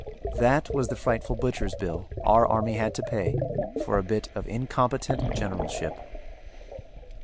That was the frightful butchers' bill our army had to pay for a bit of incompetent generalship.